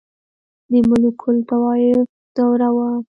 • د ملوکالطوایفي دوره وه.